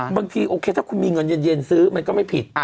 บางทีโอเคถ้าคุณมีเงินเย็นซื้อมันก็ไม่ผิด